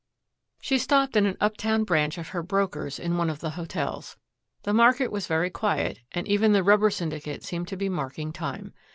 She stopped in an uptown branch of her brokers in one of the hotels. The market was very quiet, and even the Rubber Syndicate seemed to be marking time.